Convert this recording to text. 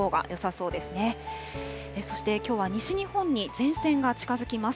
そしてきょうは西日本に、前線が近づきます。